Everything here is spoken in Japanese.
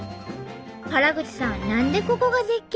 原口さん何でここが絶景